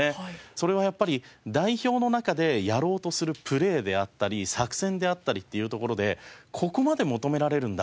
それはやっぱり代表の中でやろうとするプレーであったり作戦であったりっていうところでここまで求められるんだ